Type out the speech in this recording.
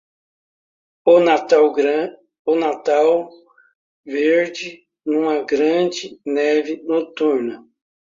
Oh Natal, verde, numa grande neve noturna.